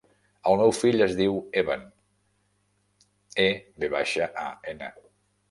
El meu fill es diu Evan: e, ve baixa, a, ena.